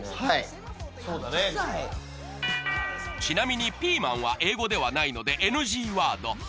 ちなみにピーマンは英語ではないのでＮＧワード